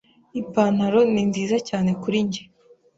Ipantaro ni nziza cyane kuri njye.